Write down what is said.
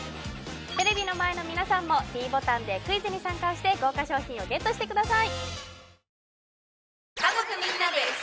テレビの前の皆さんもｄボタンでクイズに参加をして豪華賞品をゲットしてください